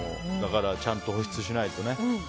ちゃんと保湿しないとね。